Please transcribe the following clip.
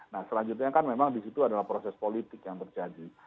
nah selanjutnya kan memang di situ adalah proses politik yang terjadi